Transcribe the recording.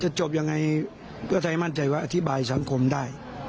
จะจบยังไงก็จะให้มั่นใจว่าอธิบายสังคมได้